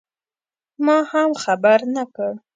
ما هم خبر نه کړ.